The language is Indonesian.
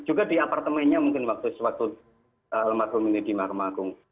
juga di apartemennya mungkin waktu sewaktu alam agung ini di alam agung